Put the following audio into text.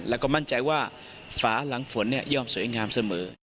แล้วก็มั่นใจว่าฝาหลังฝนย่อมสวยงามเสมอ